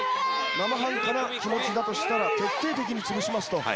「生半可な気持ちだとしたら徹底的につぶします」と。